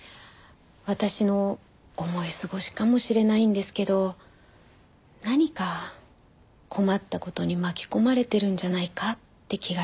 私の思い過ごしかもしれないんですけど何か困った事に巻き込まれてるんじゃないかって気がして。